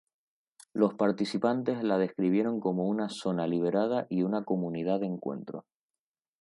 Los participantes la describieron como una "zona liberada" y una "comunidad de encuentro".